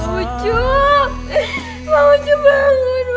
ujjum allah bangun bangun